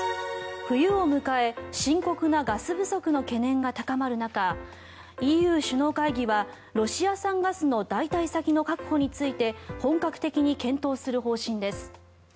冬を迎え、深刻なガス不足の懸念が高まる中ＥＵ首脳会議はロシア産ガスの代替先の確保について本格的に検討する方針です。